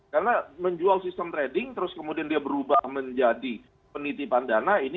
karena menjual sistem trading terus kemudian dia berubah menjadi penitipan dana